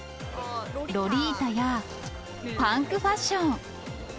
ロリータやパンクファッション。